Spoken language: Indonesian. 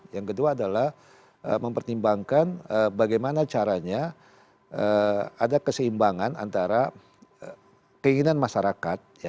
yang kedua adalah mempertimbangkan bagaimana caranya ada keseimbangan antara keinginan masyarakat